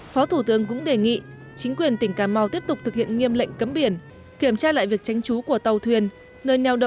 phó thủ tướng cũng đề nghị chính quyền tỉnh cà mau tiếp tục thực hiện nghiêm lệnh cấm biển kiểm tra lại việc tránh trú của tàu thuyền